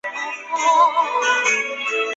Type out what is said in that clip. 大杉氏蚜为短痣蚜科伪短痣蚜属下的一个种。